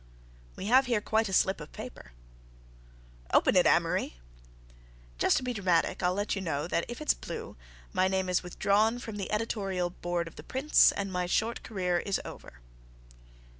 "We have here quite a slip of paper." "Open it, Amory." "Just to be dramatic, I'll let you know that if it's blue, my name is withdrawn from the editorial board of the Prince, and my short career is over."